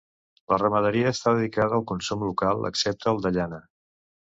La ramaderia està dedicada al consum local, excepte el de llana.